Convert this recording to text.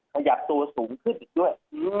ขยับตัวสูงขึ้นอีกด้วย